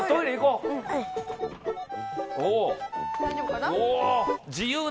大丈夫かな？